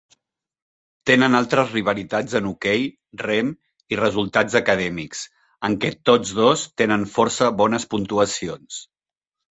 Tenen altres rivalitats en hoquei, rem i resultats acadèmics, en què tots dos tenen força bones puntuacions.